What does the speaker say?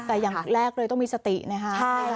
แต่อย่างแรกเลยต้องมีสตินะค่ะใช่ค่ะ